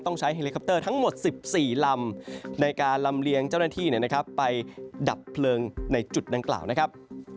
ต้องใช้เฮลิคอปเตอร์ทั้งหมด๑๔ลำในการลำเลียงเจ้าหน้าที่ไปดับเพลิงในจุดดังกล่าวนะครับ